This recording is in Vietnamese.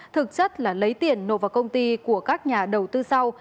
thực chất là lấy tiền nộp vào công ty của các nhà đầu tư sau